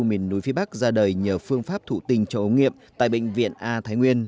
miền núi phía bắc ra đời nhờ phương pháp thụ tình cho ống nghiệm tại bệnh viện a thái nguyên